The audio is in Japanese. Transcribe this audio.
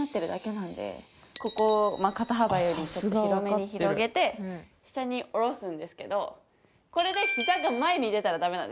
ここ肩幅よりちょっと広めに広げて下に下ろすんですけどこれでひざが前に出たらダメなんですよ。